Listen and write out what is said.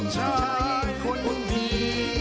ชายคนนี้